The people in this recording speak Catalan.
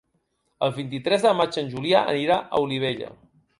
El vint-i-tres de maig en Julià anirà a Olivella.